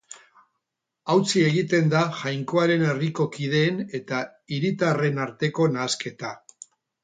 Hautsi egiten da Jainkoaren Herriko kideen eta hiritarren arteko nahasketa.